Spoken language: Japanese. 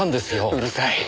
うるさい。